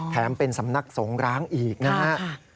แถมเป็นสำนักสงร้างอีกนะค่ะ